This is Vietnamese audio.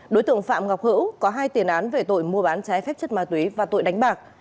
đối tượng phạm ngọc hữu có hai tiền án về tội mua bán trái phép chất ma túy và tội đánh bạc